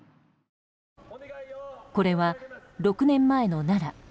これは６年前の奈良。